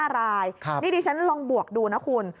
๕รายนี่ดิฉันลองบวกดูนะคุณ